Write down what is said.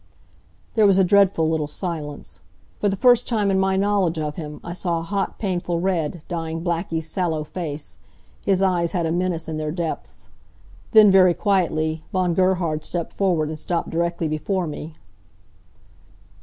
There was a dreadful little silence. For the first time in my knowledge of him I saw a hot, painful red dyeing Blackie's sallow face. His eyes had a menace in their depths. Then, very quietly, Von Gerhard stepped forward and stopped directly before me.